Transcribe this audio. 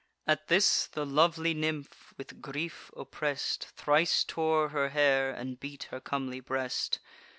At this the lovely nymph, with grief oppress'd, Thrice tore her hair, and beat her comely breast.